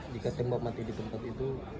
jika tembak mati di tempat itu